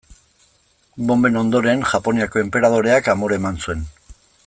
Bonben ondoren, Japoniako enperadoreak amore eman zuen.